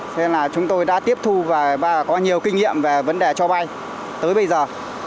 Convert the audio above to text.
cho nên là chúng tôi đã tiếp thu và có nhiều kinh nghiệm về vấn đề cho bay tới bây giờ